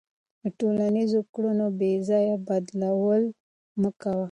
د ټولنیزو کړنو بېځایه بدلول مه کوه.